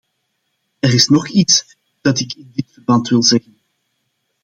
Er is nog iets dat ik in dit verband wil zeggen.